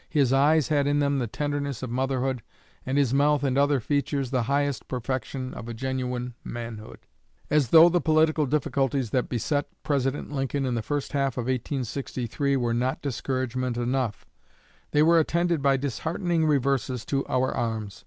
His eyes had in them the tenderness of motherhood, and his mouth and other features the highest perfection of a genuine manhood." As though the political difficulties that beset President Lincoln in the first half of 1863 were not discouragement enough, they were attended by disheartening reverses to our arms.